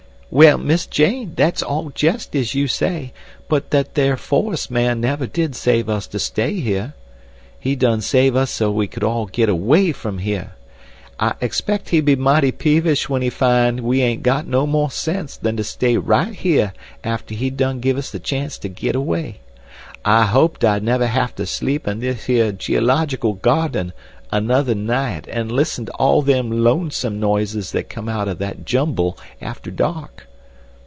"Well, Miss Jane, that's all jest as you say; but that there forest man never did save us to stay here. He done save us so we all could get AWAY from here. I expect he be mighty peevish when he find we ain't got no more sense than to stay right here after he done give us the chance to get away. "I hoped I'd never have to sleep in this here geological garden another night and listen to all them lonesome noises that come out of that jumble after dark."